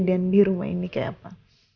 dan di rumah ini kayak apa